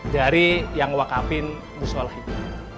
dari yang wakafin gusolah itu